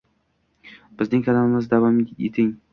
Bizning kanalda davom eting 👇👇👇